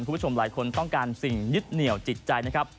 คุณผู้ชมหลายคนต้องการสิ่งยึดเหนี่ยวจิตใจนะครับ